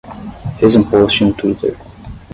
Fez um post no Twitter